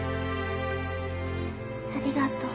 ありがとう。